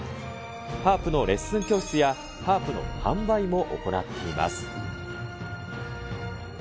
ハープのレッスン教室や、ハープの販売も行っています。